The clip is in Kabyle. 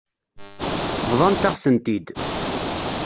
Bḍant-aɣ-tent-id.